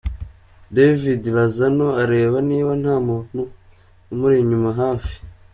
David Lozano areba niba nta muntu umuri inyuma hafi.